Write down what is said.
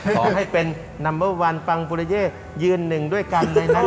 ขอให้เป็นนัมเมอร์วันปังบุรเยย์ยืนหนึ่งด้วยกันในนั้นหรอ